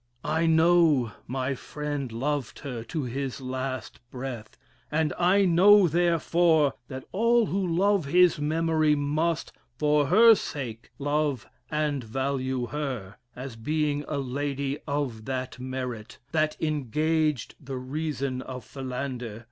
I know my friend loved her to his last breath; and I know, therefore, that all who love his memory must, for her sake, love and value her, as being a lady of that merit, that engaged the reason of Philander (C.